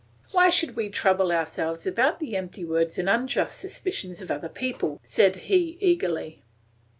"Why should we trouble ourselves about the empty words and unjust suspicions of other people?" said he eagerly.